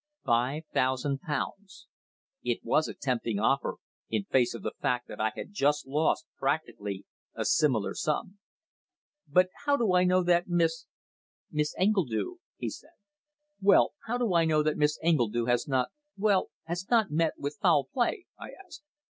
Five thousand pounds! It was a tempting offer in face of the fact that I had just lost practically a similar sum. "But how do I know that Miss " "Miss Engledue," he said. "Well, how do I know that Miss Engledue has not well, has not met with foul play?" I asked.